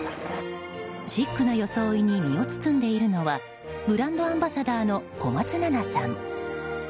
シックな装いに身を包んでいるのはブランドアンバサダーの小松菜奈さん。